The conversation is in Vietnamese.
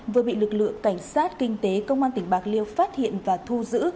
vừa bị lực lượng cảnh sát kinh tế công an tp biên hòa phát hiện và thu giữ